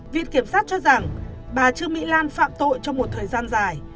viện kiểm sát cho rằng bà trương mỹ lan phạm tội trong một thời gian dài